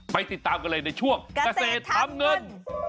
ไปติดตามกันเลยในช่วงกระเศษทำเงิน